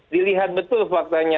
dilihat betul faktanya